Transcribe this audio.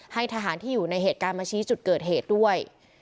ให้ทหารที่อยู่ในเหตุการณ์มาชี้จุดเกิดเหตุด้วย